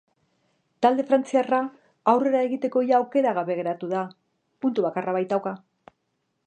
Talde frantziarra aurrera egiteko ia aukera gabe geratu da, puntu bakarra baitauka.